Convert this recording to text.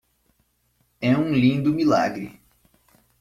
É um lindo milagre.